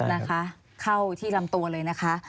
นะคะเข้าที่ลำตัวเลยนะคะ